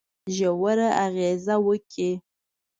ژوره اغېزه وکړه.